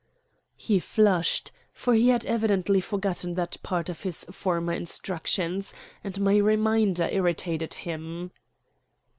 He flushed, for he had evidently forgotten that part of his former instructions, and my reminder irritated him.